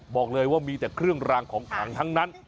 บอกเลยว่ามีแต่เครื่องรางของขังทั้งนั้น